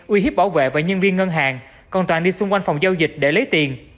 uy hiếp bảo vệ và nhân viên ngân hàng còn toàn đi xung quanh phòng giao dịch để lấy tiền